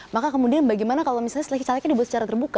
maka kemudian bagaimana kalau misalnya seleksi calegnya dibuat secara terbuka